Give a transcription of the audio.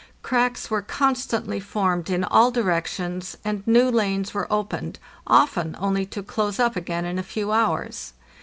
Cracks were constantly formed in all directions, and new lanes were opened, often only to close up again in a few hours.